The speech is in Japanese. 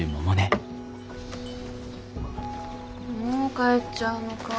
もう帰っちゃうのかぁ。